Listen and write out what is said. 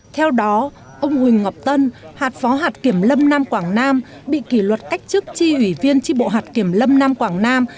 theo đó ông huỳnh ngọc tân hạt phó hạt kiểm lâm nam quảng nam bị kỷ luật cách chức tri ủy viên tri bộ hạt kiểm lâm nam quảng nam